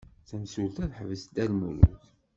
Tamsulta teḥbes Dda Lmulud.